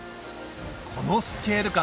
このスケール感